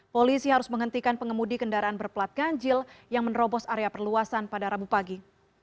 polisi harus menghentikan pengemudi kendaraan berplat ganjil yang menerobos area perluasan pada rabu pagi